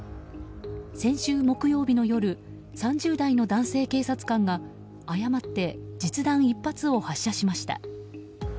先週木曜日の夜３０代の男性警察官が誤って実弾１発を発射しました。